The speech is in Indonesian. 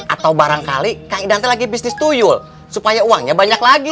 atau barangkali kang idanta lagi bisnis toyol supaya uangnya banyak lagi